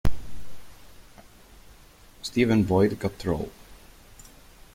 Stephen Boyd got the role.